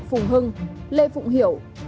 phùng hưng lê phụng hiểu